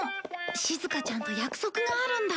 しずかちゃんと約束があるんだ。